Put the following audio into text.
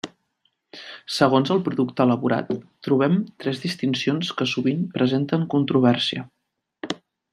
Segons el producte elaborat trobem tres distincions que sovint presenten controvèrsia.